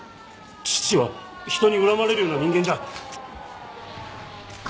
父は人に恨まれるような人間じゃ！